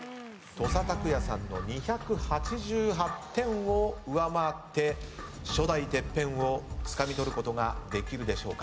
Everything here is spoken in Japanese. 土佐卓也さんの２８８点を上回って初代ＴＥＰＰＥＮをつかみ取ることができるでしょうか。